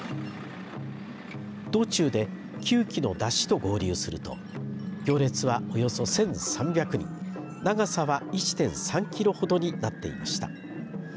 道中で、９基の山車と合流すると行列はおよそ１３００人長さは１．３キロほどになっていました。